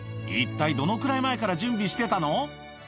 一体どのくらい前から準備してたの？